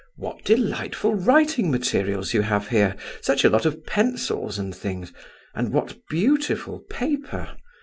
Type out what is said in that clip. "What delightful writing materials you have here, such a lot of pencils and things, and what beautiful paper!